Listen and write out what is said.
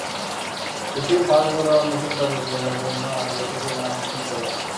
বিসিবির fast bowler অন্বেষণ কার্যক্রমের জন্য আগে থেকেই মাঠ বুকিং করা ছিল।